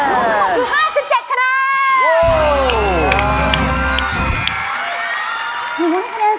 แล้วคุณตอบคือ๕๗คะแนน